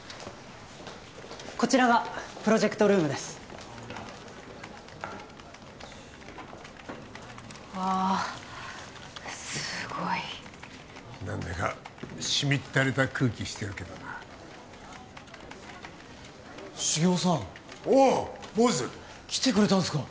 こちらがプロジェクトルームですわあすごい何だかしみったれた空気してるけどな繁雄さんおう坊主来てくれたんですか